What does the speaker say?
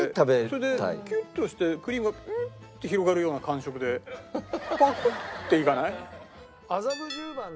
それでキュッと押してクリームがクッて広がるような感触でパクッていかない？